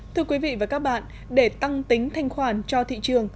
thưa quý vị và các bạn để tăng tính thanh khoản cho thị trường